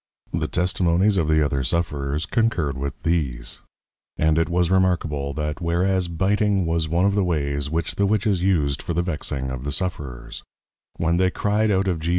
The Testimonies of the other Sufferers concurred with these; and it was remarkable, that whereas Biting was one of the ways which the Witches used for the vexing of the Sufferers; when they cry'd out of _G.